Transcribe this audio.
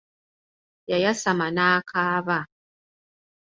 Yayasama n'akaaba.